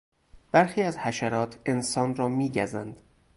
برخی از حشرات انسان را میگزند.